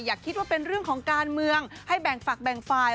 อย่าคิดว่าเป็นเรื่องของการเมืองให้แบ่งฝักแบ่งฝ่าย